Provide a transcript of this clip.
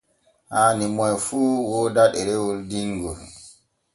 Haani moy fu wooda ɗerewol dingol.